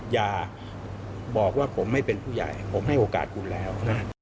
อย่าบอกว่าผมไม่เป็นผู้ใหญ่ผมให้โอกาสคุณแล้วนะ